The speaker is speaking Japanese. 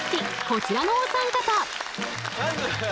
こちらのお三方。